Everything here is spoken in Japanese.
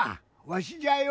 わしじゃよ。